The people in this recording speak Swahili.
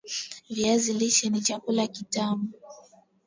Viazi lishe ni chakula kitam